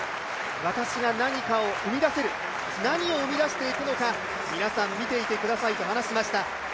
私が何かを生み出せる何を生み出していくのか皆さん見ていてくださいと話しました。